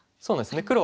そうなんですね。